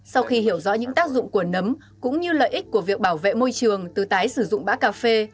sau khi hiểu rõ những tác dụng của nấm cũng như lợi ích của việc bảo vệ môi trường từ tái sử dụng bã cà phê